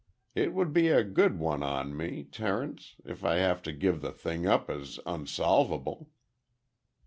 It would be a good one on me, Terence, if I have to give the thing up as unsolvable."